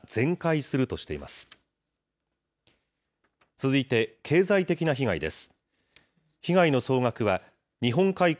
続いて、経済的な被害です。